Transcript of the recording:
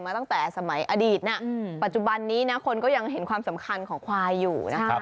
ตั้งแต่สมัยอดีตนะปัจจุบันนี้นะคนก็ยังเห็นความสำคัญของควายอยู่นะครับ